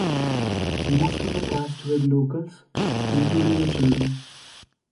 Most of the cast were locals, including the children.